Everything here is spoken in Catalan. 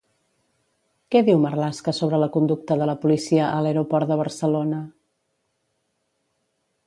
Què diu Marlaska sobre la conducta de la policia a l'aeroport de Barcelona?